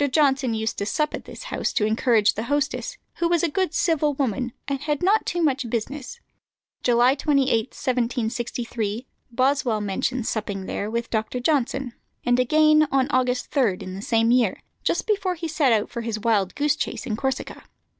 Johnson used to sup at this house to encourage the hostess, who was a good civil woman, and had not too much business. July 28, 1763, Boswell mentions supping there with Dr. Johnson; and again, on August 3, in the same year, just before he set out for his wildgoose chase in Corsica.